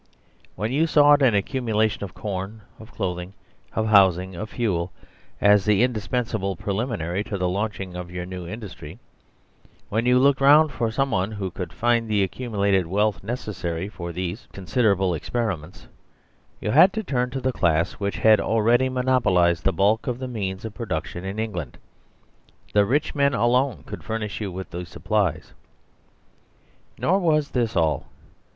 When you sought an accumulation oY corn, of clothing, of housing, of fuel as the indispensable preliminary to the launching of your new industry; when you looked round for someone who could find the accumulated wealth necessary for these consider able experiments, you had to turn to the class which had already monopolised the bulk of the means of production in England. The rich men alone could furnish you with those supplies. Nor was this all.